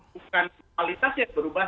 bukan kualitasnya berubah